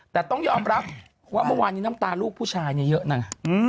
แต่ต้องยอมรับว่าเมื่อวานนี้น้ำตาลูกผู้ชายเนี่ยเยอะนะ